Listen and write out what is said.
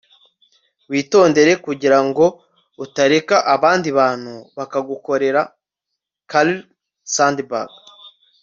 witondere kugira ngo utareka abandi bantu bakagukorera. - carl sandburg